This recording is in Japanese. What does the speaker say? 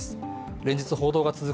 連日報道が続く